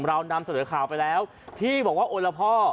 เรานำเสนอข่าวไปแล้วที่บอกว่าโอละพ่อ